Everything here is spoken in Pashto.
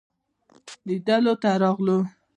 لیدلو ته راغلل.